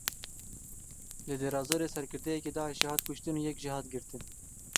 Li Dêrazorê serkirdeyekî Daişê hat kuştin û yek jî hat girtin.